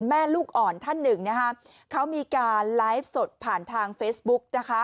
แม่ลูกอ่อนท่านหนึ่งนะคะเขามีการไลฟ์สดผ่านทางเฟซบุ๊กนะคะ